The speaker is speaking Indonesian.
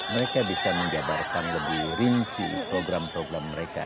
mereka bisa menjadarkan lebih rinci program programnya